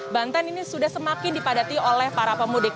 banten ini sudah semakin dipadati oleh para pemudik